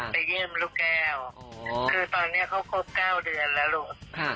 เยี่ยมลูกแก้วคือตอนนี้เขาครบ๙เดือนแล้วลูก